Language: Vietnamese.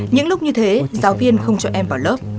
những lúc như thế giáo viên không cho em vào lớp